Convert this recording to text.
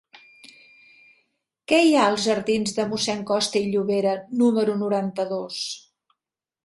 Què hi ha a la jardins de Mossèn Costa i Llobera número noranta-dos?